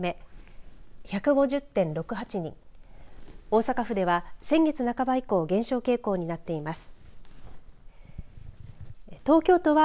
大阪府では先月半ば以降減少傾向になっています。